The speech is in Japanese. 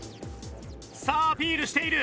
さあアピールしている。